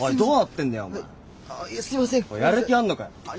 お前やる気あんのかよ！